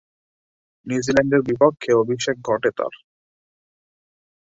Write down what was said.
নিউজিল্যান্ডের বিপক্ষে অভিষেক ঘটে তার।